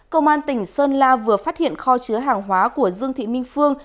cơ quan tỉnh sơn la vừa phát hiện kho chứa hàng hóa của dương thị minh phương